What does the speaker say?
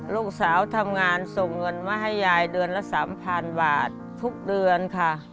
ลูกสาวทำงานส่งเงินมาให้ยายเดือนละ๓๐๐๐บาททุกเดือนค่ะ